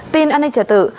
tin an ninh trở tử